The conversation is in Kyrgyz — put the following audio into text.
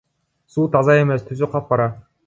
Суу таза эмес, түсү капкара.